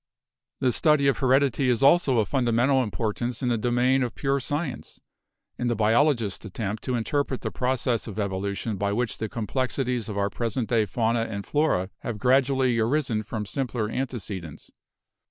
"The study of heredity is also of fundamental impor tance in the domain of pure science, in the biologist's at tempt to interpret the process of evolution by which the complexities of our present day fauna and flora have gradually arisen from simpler antecedents.